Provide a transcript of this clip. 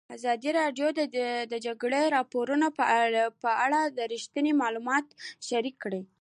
ازادي راډیو د د جګړې راپورونه په اړه رښتیني معلومات شریک کړي.